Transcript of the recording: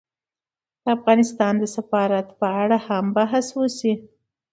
د افغانستان د سفارت په اړه هم بحث وشي